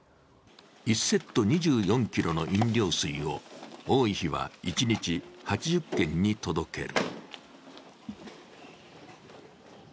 １セット２４ｋｇの飲料水を多い日は一日８０軒に届ける。